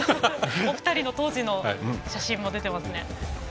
お二人の当時の写真も出ています。